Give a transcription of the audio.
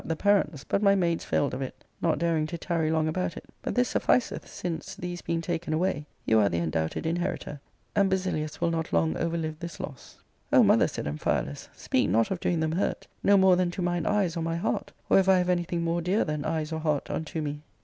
255 the parents, but my maids failed of it, not daring to tarry long about it But this sufficeth, since, these being taken away, you are the undoubted inheritor, and Basilius will not long overlive this loss. —_" Oh, mother," said Amphialus, " speak not of doing them hurt, no more than to mine eyes or my heart, or if I have anything more dear than eyes or heart unto me.